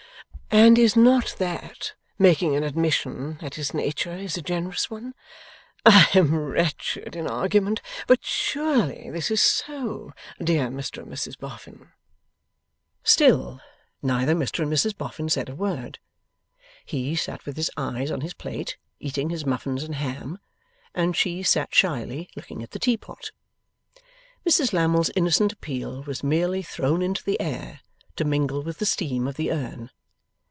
And is not that making an admission that his nature is a generous one? I am wretched in argument, but surely this is so, dear Mr and Mrs Boffin?' Still, neither Mr and Mrs Boffin said a word. He sat with his eyes on his plate, eating his muffins and ham, and she sat shyly looking at the teapot. Mrs Lammle's innocent appeal was merely thrown into the air, to mingle with the steam of the urn.